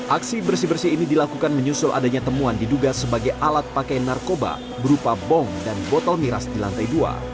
aksi bersih bersih ini dilakukan menyusul adanya temuan diduga sebagai alat pakai narkoba berupa bom dan botol miras di lantai dua